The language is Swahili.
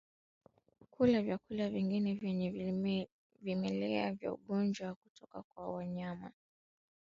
Kula vyakula vingine vyenye vimelea vya ugonjwa kutoka kwa mnyama mwenye maambukizi